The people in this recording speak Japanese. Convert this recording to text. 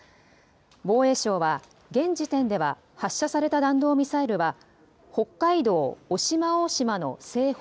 防衛省は現時点では発射された弾道ミサイルは北海道渡島大島の西方